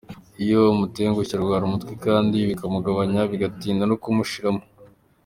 Iyo umutengushye, arwara umutwe kandi bikamuhungabanya bigatinda no kumushiramo.